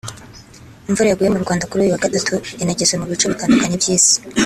Imvura yaguye mu Rwanda kuri uyu wa Gatatu yanageze mu bice bitandukanye by’Isi